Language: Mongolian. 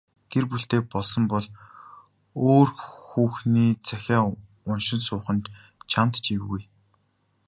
Чи гэр бүлтэй болсон бол өөр хүүхний захиа уншин суух нь чамд ч эвгүй.